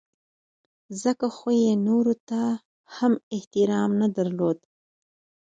ځکه خو یې نورو ته هم احترام نه درلود.